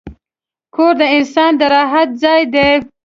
کور د انسان د راحت ځای دی.